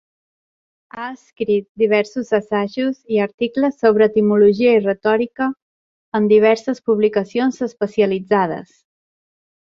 Ha escrit diversos assajos i articles sobre etimologia i retòrica en diverses publicacions especialitzades.